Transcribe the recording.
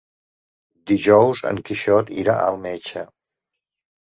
Dijous en Quixot irà al metge.